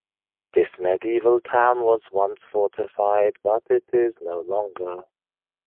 This medieval town was once fortified but is no longer.